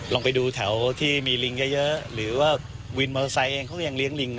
ลองไปดูแถวที่มีลิงเยอะหรือว่าวินมอเตอร์ไซค์เองเขายังเลี้ยลิง